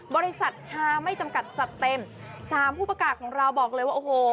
บริษัทฮาไม่จำกัดจัดเต็มสามผู้ประกาศของเราบอกเลยว่าโอ้โห